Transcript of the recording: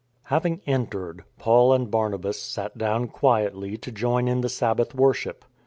Having entered, Paul and Barnabas sat down quietly to join in the Sabbath worship.